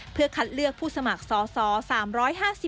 เพื่อคัดเลือกผู้สมัครสอสอ